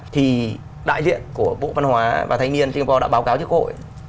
thì đại diện của bộ văn hóa và thanh niên singapore đã báo cáo cho cơ hội